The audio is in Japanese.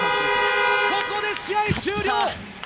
ここで試合終了！